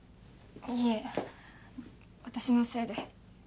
いえ私のせいで。